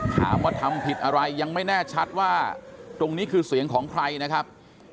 ถามว่าทำผิดอะไรยังไม่แน่ชัดว่าตรงนี้คือเสียงของใครนะครับ